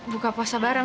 buka puasa bareng